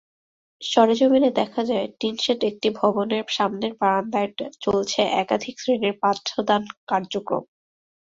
সরেজমিনে দেখা যায়, টিনশেড একটি ভবনের সামনের বারান্দায় চলছে একাধিক শ্রেণীর পাঠদান কার্যক্রম।